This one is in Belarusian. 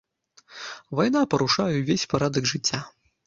Вайна парушае ўвесь парадак жыцця.